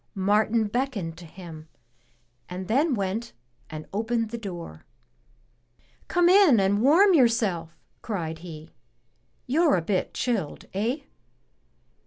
Martin beckoned to him, and then went and opened the door. Come in and warm yourself," cried he. "You're a bit chilled, eh?"